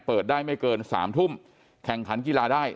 เปิดได้ไม่เกิน๓ทุ่มแข่งขันกีฬาได้